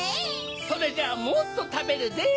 それじゃあもっとたべるです。